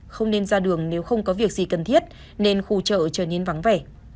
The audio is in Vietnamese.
không nên ra đường nếu không có việc gì cần thiết nên khu chợ trở nên vắng vẻ